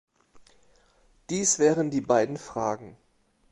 Dies wären die beiden Fragen.